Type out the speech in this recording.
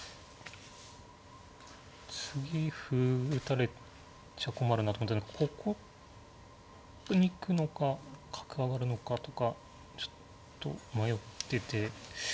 次歩打たれちゃ困るなと思ったんでここに行くのか角上がるのかとかちょっと迷ってて。